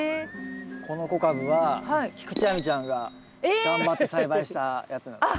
この小カブは菊地亜美ちゃんが頑張って栽培したやつなんですよ。